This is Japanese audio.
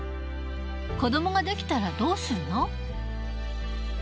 子どもが出来たらどうするの？